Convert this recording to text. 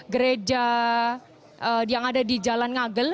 gereja yang ada di jalan ngagel